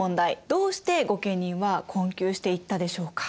どうして御家人は困窮していったでしょうか？